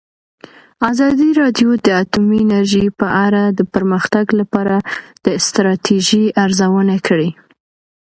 ازادي راډیو د اټومي انرژي په اړه د پرمختګ لپاره د ستراتیژۍ ارزونه کړې.